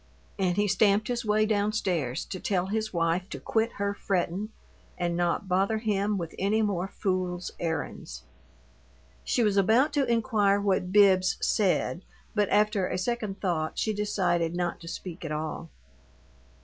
And he stamped his way down stairs to tell his wife to quit her frettin' and not bother him with any more fool's errands. She was about to inquire what Bibbs "said," but after a second thought she decided not to speak at all.